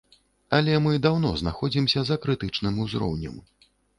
Але мы даўно знаходзімся за крытычным узроўнем.